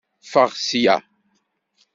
Ffeɣ ssya!